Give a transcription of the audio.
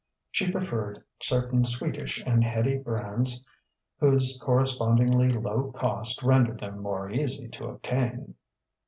She preferred certain sweetish and heady brands whose correspondingly low cost rendered them more easy to obtain....